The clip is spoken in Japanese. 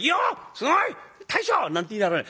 すごい！大将！」なんて言いながらね